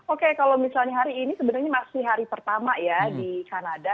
oke kalau misalnya hari ini sebenarnya masih hari pertama ya di kanada